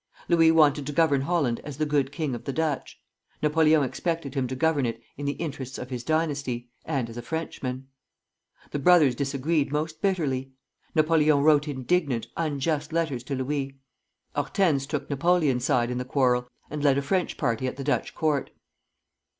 Louis wanted to govern Holland as the good king of the Dutch; Napoleon expected him to govern it in the interests of his dynasty, and as a Frenchman. The brothers disagreed most bitterly. Napoleon wrote indignant, unjust letters to Louis. Hortense took Napoleon's side in the quarrel, and led a French party at the Dutch court.